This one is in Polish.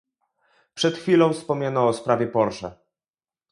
Przed chwilą wspomniano o sprawie Porsche